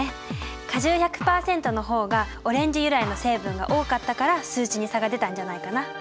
果汁１００％の方がオレンジ由来の成分が多かったから数値に差が出たんじゃないかな。